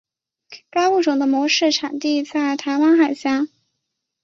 该物种的模式产地在台湾海峡。